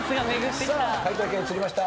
解答権移りました。